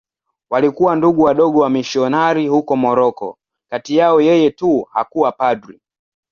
Walikuwa Ndugu Wadogo wamisionari huko Moroko.Kati yao yeye tu hakuwa padri.